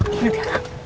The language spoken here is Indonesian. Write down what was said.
nanti ya kang